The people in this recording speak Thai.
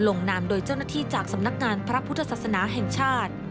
นามโดยเจ้าหน้าที่จากสำนักงานพระพุทธศาสนาแห่งชาติ